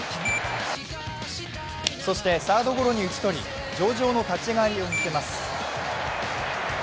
そしてサードゴロに打ち取り上々の立ち上がりを見せます。